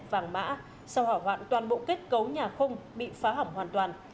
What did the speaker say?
vàng mã sau hỏa hoạn toàn bộ kết cấu nhà khung bị phá hỏng hoàn toàn